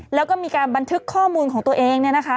แล้วก็มีการบันทึกข้อมูลของตัวเอง